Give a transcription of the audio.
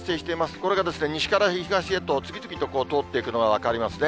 これが西から東へと次々と通っていくのが分かりますね。